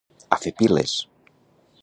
A fer piles!